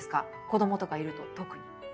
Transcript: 子供とかいると特に。